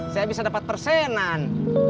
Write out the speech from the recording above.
saya bisa dapat persenan